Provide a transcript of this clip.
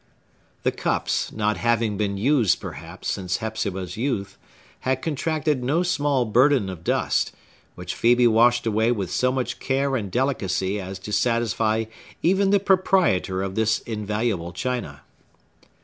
The cups—not having been used, perhaps, since Hepzibah's youth—had contracted no small burden of dust, which Phœbe washed away with so much care and delicacy as to satisfy even the proprietor of this invaluable china.